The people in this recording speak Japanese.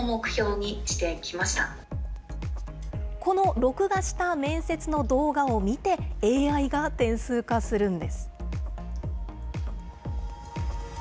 この録画した面接の動画を見て、ＡＩが点数化するんです。